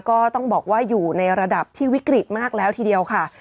ก็ต้องบอกว่าอยู่ในระดับที่วิกฤตมากแล้วทีเดียวค่ะ